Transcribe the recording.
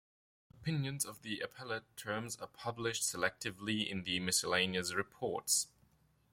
Opinions of the appellate terms are published selectively in the "Miscellaneous Reports".